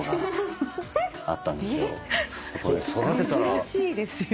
珍しいですよね。